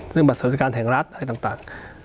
เรื่องบรรษฐการแห่งรัฐอะไรต่าง